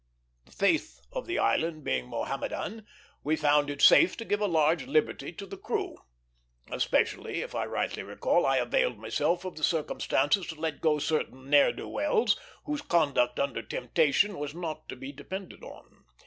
The faith of the island being Mohammedan, we found it safe to give a large liberty to the crew. Especially, if I rightly recall, I availed myself of the circumstance to let go certain ne'er do wells whose conduct under temptation was not to be depended on.